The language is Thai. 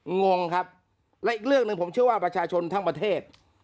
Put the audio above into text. งงครับและอีกเรื่องหนึ่งผมเชื่อว่าประชาชนทั้งประเทศ